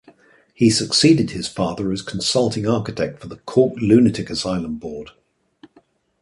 He succeeded his father as consulting architect for the Cork Lunatic Asylum board.